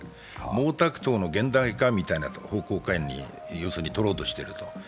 毛沢東の現代化みたいな方向感にとろうとしていると。